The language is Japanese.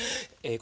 え？